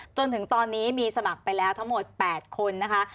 จนถึงตอนนี้มีสมัครไปแล้วทั้งหมด๘คนนะคะ